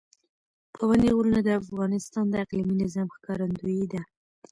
پابندی غرونه د افغانستان د اقلیمي نظام ښکارندوی ده.